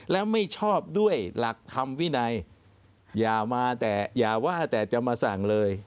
และไม่ชอบด้วยหลักธรรมวินัยอย่ามาแต่อย่าว่าแต่จะมาสั่งเลย